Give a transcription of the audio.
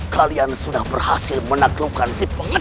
kalian sudah berhasil menaklukkan si pengecut argetmu